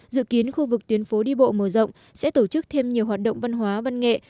dự kiến khu vực tuyến phố đi bộ mở rộng sẽ tổ chức thêm nhiều hoạt động văn hóa văn nghệ